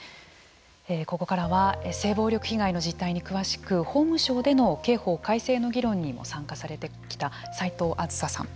ここからは性暴力被害の実態に詳しく法務省での刑法改正の議論に参加されてきた齋藤梓さん